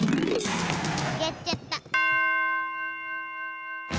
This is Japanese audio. やっちゃった。